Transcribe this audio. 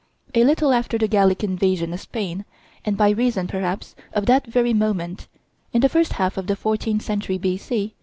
A little after the Gallic invasion of Spain, and by reason perhaps of that very movement, in the first half of the fourteenth century B.C.